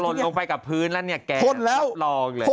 ลงไปกับพื้นแล้วเนี่ยแกรับรองเลย